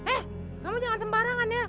eh kamu jangan sembarangan ya